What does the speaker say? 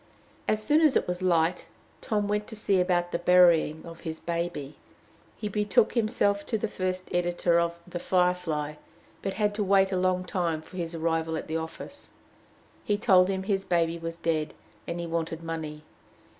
As soon as it was light, Tom went to see about the burying of his baby. He betook himself first to the editor of "The Firefly," but had to wait a long time for his arrival at the office. He told him his baby was dead, and he wanted money.